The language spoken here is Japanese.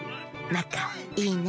なかいいね。